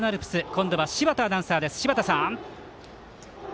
今度は柴田アナウンサーです。